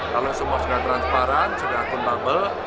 kalau semua sudah transparan sudah akuntabel